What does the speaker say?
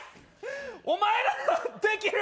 お前らならできる！